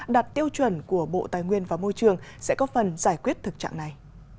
đặt tiêu chuẩn của bộ tài nguyên và môi trường sẽ có phần giải quyết thực trạng này